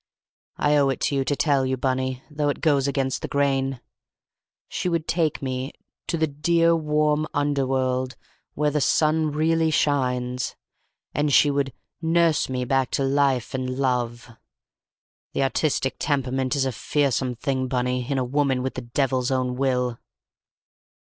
I owe it to you to tell you, Bunny, though it goes against the grain. She would take me 'to the dear, warm underworld, where the sun really shines,' and she would 'nurse me back to life and love!' The artistic temperament is a fearsome thing, Bunny, in a woman with the devil's own will!"